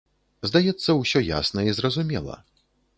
Здаецца, усё ясна і зразумела.